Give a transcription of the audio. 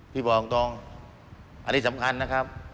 บอกตรงอันนี้สำคัญนะครับ